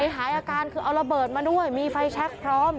หายอาการคือเอาระเบิดมาด้วยมีไฟแช็คพร้อม